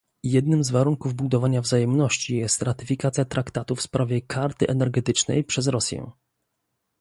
Jednym z warunków budowania wzajemności jest ratyfikacja Traktatu w sprawie Karty Energetycznej przez Rosję